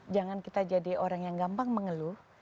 jangan kita jadi orang yang gampang mengeluh